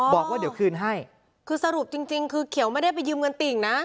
บอกว่าเดี๋ยวคืนให้คือสรุปจริงคือเขียวไม่ได้ไปยืมเงินติ่งนะ